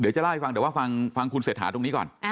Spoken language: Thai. เดี๋ยวจะเล่าให้ฟังแต่ว่าฟังคุณเศรษฐาตรงนี้ก่อน